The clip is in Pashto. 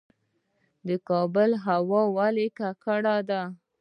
د کابل هوا ولې ککړه ده؟